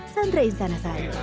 sandra insanasa jakarta